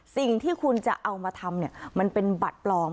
สิ่งที่คุณจะเอามาทำมันเป็นบัตรปลอม